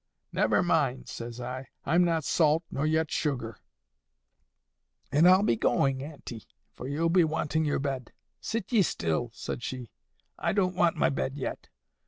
'Never mind,' says I. 'I'm not salt, nor yet sugar; and I'll be going, auntie, for you'll be wanting your bed.'—'Sit ye still,' said she. 'I don't want my bed yet.